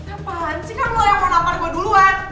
apaan sih kan lo yang mau nampar gue duluan